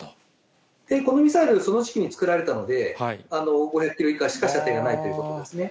このミサイル、その時期に作られたので、５００キロ以下しか射程がないということですね。